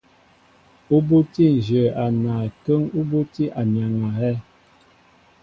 Ú bútí nzhě a naay kə́ŋ ú bútí anyaŋ a hɛ́.